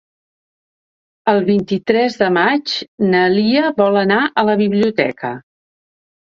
El vint-i-tres de maig na Lia vol anar a la biblioteca.